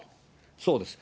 そうです。